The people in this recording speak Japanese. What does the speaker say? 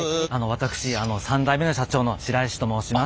私あの３代目の社長の白石と申します。